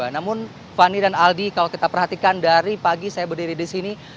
namun fani dan aldi kalau kita perhatikan dari pagi saya berdiri di sini